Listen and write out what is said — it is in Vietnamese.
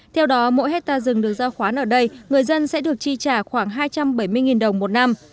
theo đó mỗi hectare rừng được giao khoán ở đây người dân sẽ được chi trả khoảng hai trăm bảy mươi đồng một năm